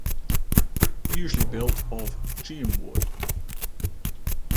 Usually built of giam wood.